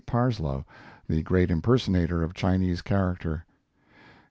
Parsloe, the great impersonator of Chinese character.